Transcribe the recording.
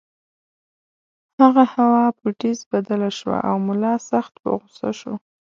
هغه هوا په ټیز بدله شوه او ملا سخت په غُصه شو.